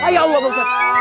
ya allah bang ustaz